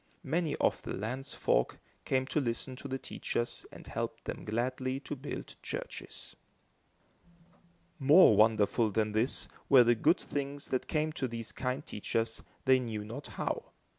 Many of the land's folk came to listen to the teachers and helped them gladly to build churches. More wonderful than this, were the good things that came to these kind teachers, they knew not how.